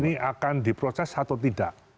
ini akan diproses atau tidak